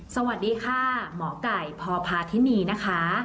สวัสดีค่ะหมอไก่พพาธินีนะคะ